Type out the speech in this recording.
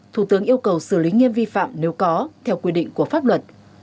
thủ tướng yêu cầu xử lý nghiêm vi phạm nếu có theo quy định của pháp luật